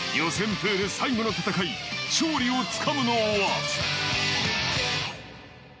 プール最後の戦い、勝利をつかむのは？